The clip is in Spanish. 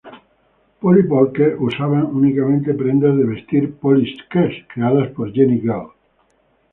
Polly Pocket usaban únicamente prendas de vestir "Polly Stretch", creadas por Genie girl.